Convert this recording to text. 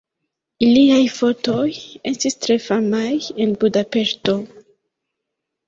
Iliaj fotoj estis tre famaj en Budapeŝto.